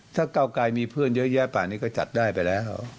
ถ้าเก้าไกลมีเพื่อนเยอะแยะกว่านี้ก็จัดได้ไปแล้ว